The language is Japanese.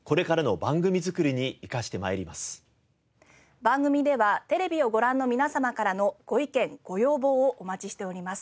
番組ではテレビをご覧の皆様からのご意見ご要望をお待ちしております。